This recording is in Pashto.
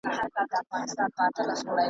لیري یې بوتلمه تر کوره ساه مي ودرېده .